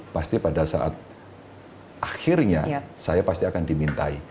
pasti pada saat akhirnya saya pasti akan dimintai